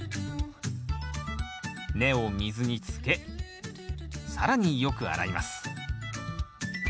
根を水につけ更によく洗います。